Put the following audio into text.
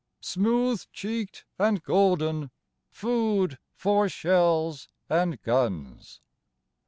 Smooth cheeked and golden, food for shells and guns.